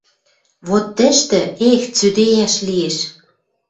Вот тӹштӹ — эх! Цӱдеяш лиэш.